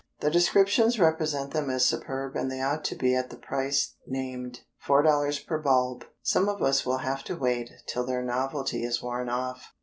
The descriptions represent them as superb, and they ought to be at the price named, $4 per bulb! Some of us will have to wait till their novelty is worn off.